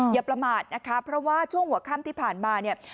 อย่าประมาทนะคะเพราะว่าช่วงหัวค่ำที่ผ่านมาเนี่ย